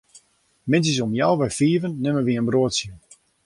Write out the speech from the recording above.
Middeis om healwei fiven nimme wy in broadsje.